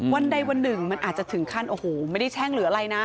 วันใดวันหนึ่งมันอาจจะถึงขั้นโอ้โหไม่ได้แช่งหรืออะไรนะ